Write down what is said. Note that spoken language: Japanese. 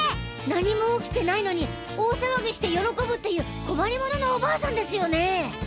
何も起きてないのに大騒ぎして喜ぶっていう困り者のお婆さんですよね！？